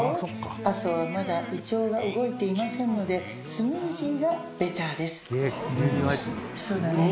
朝はまだ胃腸が動いていませんのでスムージーがベターです